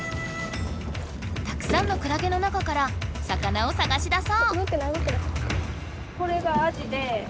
たくさんのクラゲの中から魚をさがしだそう！